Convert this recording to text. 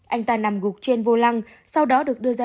anh ta nằm gục trên vô lăng sau đó được đưa ra